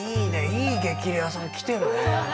いい激レアさん来てるね。